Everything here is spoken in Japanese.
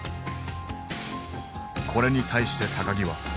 これに対して木は。